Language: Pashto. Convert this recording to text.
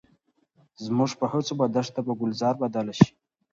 زموږ په هڅو به دښته په ګلزار بدله شي.